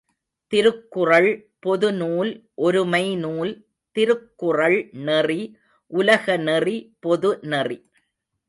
திருக்குறள் பொது நூல் ஒருமை நூல் திருக்குறள் நெறி, உலக நெறி பொது நெறி.